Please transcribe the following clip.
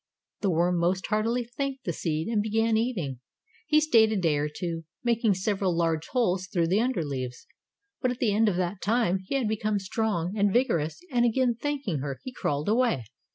The worm most heartily thanked the seed and began eating. He stayed a day or two, making several large holes through the under leaves, but at the end of that time he had become strong and vigorous, and again thanking her, he crawled away.